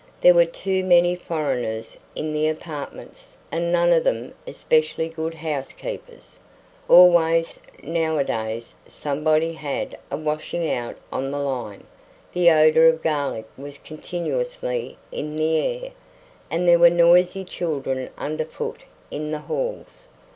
There were too many foreigners in the apartments, and none of them especially good housekeepers. Always, nowadays, somebody had a washing out on the line, the odour of garlic was continuously in the air, and there were noisy children under foot in the halls.